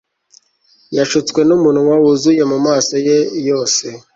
Yashutswe numunwa wuzuye mumaso ye yose